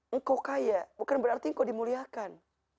engkau kaya bukan berarti engkau dimuliakan